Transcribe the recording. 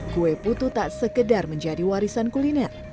kue putu tak sekedar menjadi warisan kuliner